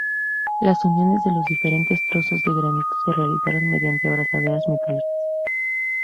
Las uniones de los diferentes trozos de granito se realizaron mediante abrazaderas metálicas.